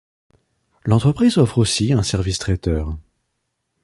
L’entreprise offre aussi un service traiteur.